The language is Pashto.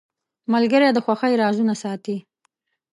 ملګری د خوښۍ رازونه ساتي.